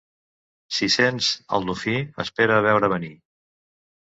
Si sents el dofí, espera veure a venir.